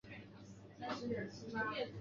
萨伏伊王朝第六任国王。